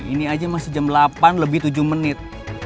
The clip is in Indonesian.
ini aja masih jam delapan lebih tujuh menit